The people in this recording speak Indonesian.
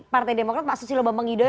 partai demokrat pak susilo bambang yudhoyo